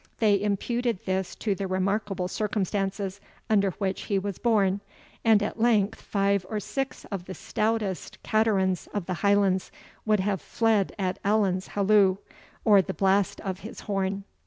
They imputed this to the remarkable circumstances under which he was born; and at length five or six of the stoutest caterans of the Highlands would have fled at Allan's halloo, or the blast of his horn.